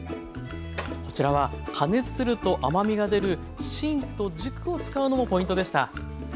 こちらは加熱すると甘みが出る芯と軸を使うのもポイントでした。